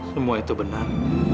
semua itu benar